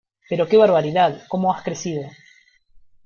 ¡Pero que barbaridad, como has crecido!